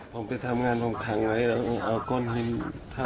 ผมไปทำงานผมขังไว้แล้วเอาก้นให้